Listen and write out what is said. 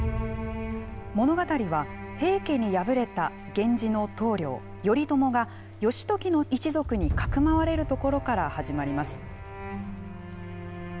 物語は平家に敗れた源氏の頭領・頼朝が義時の一族にかくまわれるところから始まります。